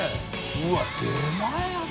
うわっ。